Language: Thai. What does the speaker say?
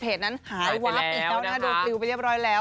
เพจนั้นหายวับอีกเก้าหน้าโดนติวไปเรียบร้อยแล้ว